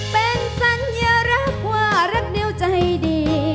เป็นสัญญารักว่ารักนิ้วใจดี